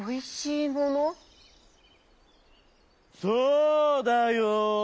「そうだよ。